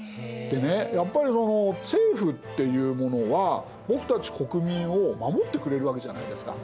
でねやっぱりその政府っていうものは僕たち国民を守ってくれるわけじゃないですか？